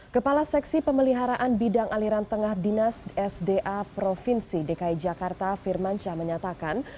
kepala seksi pemeliharaan bidang aliran tengah dinas sda provinsi dki jakarta firmansyah menyatakan